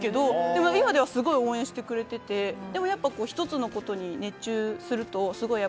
でも今ではすごい応援してくれていて１つのことに熱中すると。